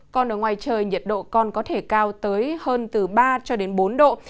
còn ở ngoài trời nhiệt độ còn có thể cao tới hơn từ ba bốn độ